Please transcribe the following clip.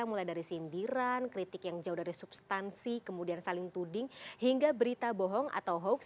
mulai dari sindiran kritik yang jauh dari substansi kemudian saling tuding hingga berita bohong atau hoax